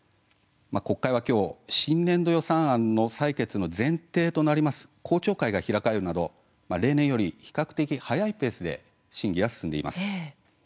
国会はきょう新年度予算案の採決の前提となる公聴会が開かれるなど例年より比較的、早いペースで審議が進んでいます。